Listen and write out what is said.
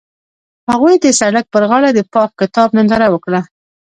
هغوی د سړک پر غاړه د پاک کتاب ننداره وکړه.